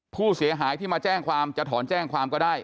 ผู้เสียหายที่มาแจ้งความจะถอนแจ้งความก็ได้